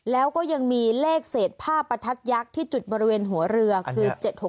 แล้วก็ยังมีเลขเศษผ้าประทัดยักษ์ที่จุดบริเวณหัวเรือคือ๗๖๖